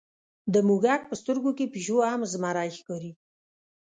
د موږک په سترګو کې پیشو هم زمری ښکاري.